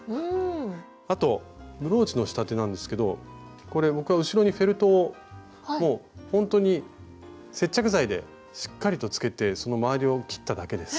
あとブローチの仕立てなんですけどこれ僕は後ろにフェルトをもうほんとに接着剤でしっかりとつけてそのまわりを切っただけです。